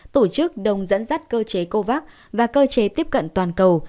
tổ chức đồng dẫn dắt cơ chế covax và cơ chế tiếp cận toàn cầu